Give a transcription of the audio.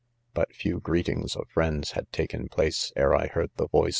But few greetings ^of frieit^bHbad taken place,, ere I heard the voice